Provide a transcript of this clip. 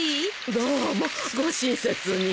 どうもご親切に。